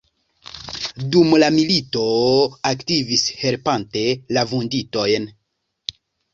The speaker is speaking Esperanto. Dum la milito aktivis helpante la vunditojn.